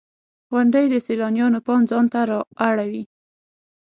• غونډۍ د سیلانیانو پام ځان ته را اړوي.